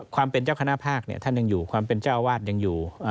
ความเป็นเจ้าคณะภาคท่านยังอยู่ความเป็นเจ้าอาวาสยังอยู่